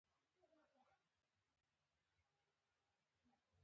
مچمچۍ د ماشومانو پام ځان ته رااړوي